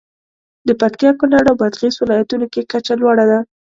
د پکتیا، کونړ او بادغیس ولایتونو کې کچه لوړه ده.